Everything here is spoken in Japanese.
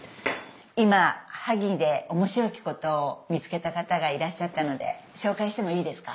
今萩でおもしろきことを見つけた方がいらっしゃったので紹介してもいいですか？